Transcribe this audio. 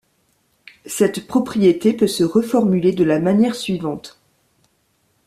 Cette propriété peut se reformuler de la manière suivante.